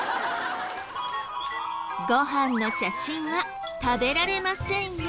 ご飯の写真は食べられませんよ。